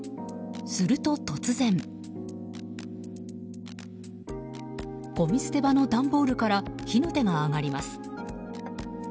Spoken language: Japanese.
すると、突然。ごみ捨て場の段ボールから火の手が上がります。